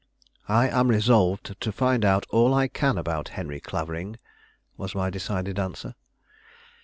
"I am resolved to find out all I can about Henry Clavering," was my decided answer.